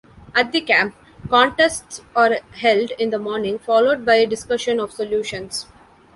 At the camp, contests are held in the morning, followed by discussion of solutions.